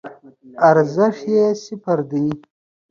ارزښت یی صفر دی